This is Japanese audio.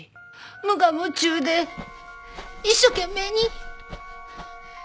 無我夢中で一生懸命に。